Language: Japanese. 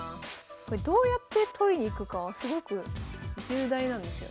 これどうやって取りに行くかはすごく重大なんですよ。